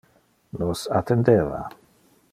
Nos attendeva.